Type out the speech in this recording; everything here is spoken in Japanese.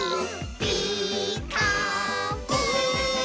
「ピーカーブ！」